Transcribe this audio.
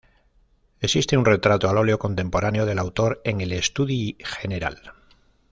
Existe un retrato al óleo contemporáneo del autor en el Estudi General.